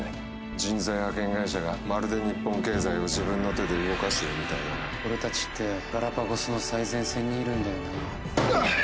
人材派遣会社がまるで日本経済を自分の手で俺たちってガラパゴスの最前線にいるんだよな。